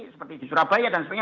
seperti di surabaya dan sebagainya